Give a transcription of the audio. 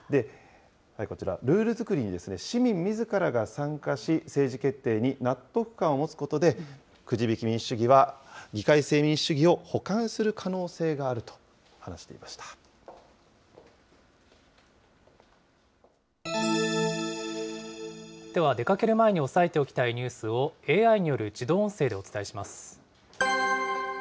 こちら、ルール作りに市民みずからが参加し、政治決定に納得感を持つことで、くじ引き民主主義は議会制民主主義を補完する可能性があると話しでは出かける前に押さえておきたいニュースを、ＡＩによる自動音声でお伝えします。